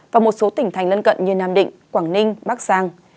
và một số tỉnh thành lân cận như nam định quảng ninh bắc giang